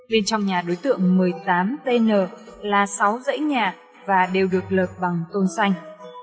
bên trong nhà đối tượng một mươi tám tn là sáu dãy nhà và đều được lợt bằng tôn xanh